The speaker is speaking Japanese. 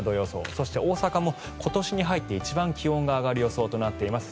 そして、大阪も今年に入って一番気温が上がる予想となっています。